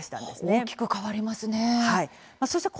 大きく変わりますね。